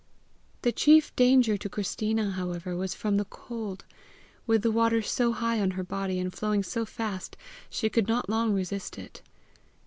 The chief danger to Christina, however, was from the cold. With the water so high on her body, and flowing so fast, she could not long resist it!